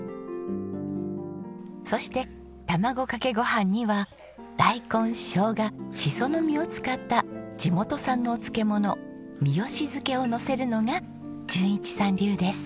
そして卵かけご飯には大根しょうがしその実を使った地元産のお漬物みよし漬けをのせるのが淳一さん流です。